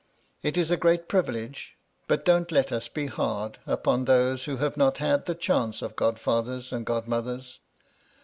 It is a great privilege, but don't let us be hard upon those who have not had the chance of godfathers and godmothers.